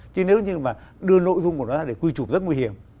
chứ nếu như mà đưa nội dung của nó ra để quy trục rất nguy hiểm